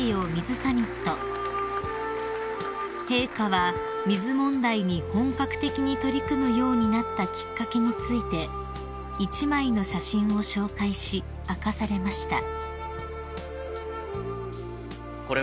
［陛下は水問題に本格的に取り組むようになったきっかけについて１枚の写真を紹介し明かされました］